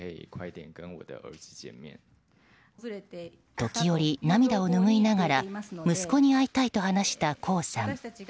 時折、涙を拭いながら息子に会いたいと話した江さん。